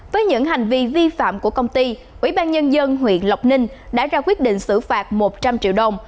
với những hành vi vi phạm của công ty ủy ban nhân dân huyện lộc ninh đã ra quyết định xử phạt một trăm linh triệu đồng